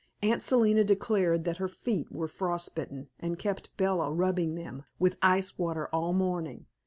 Aunt Selina declared that her feet were frost bitten and kept Bella rubbing them with ice water all morning.